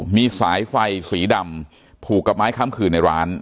มีสายไฟสีดำผูกกับไม้ค้ำคืนในร้าน